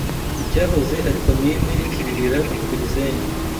mu cyahoze ari Komini Kibilira ku Gisenyi